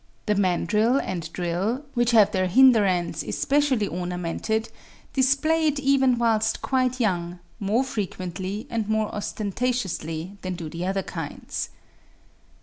The mandrill and drill, which have their hinder ends especially ornamented, display it even whilst quite young, more frequently and more ostentatiously than do the other kinds.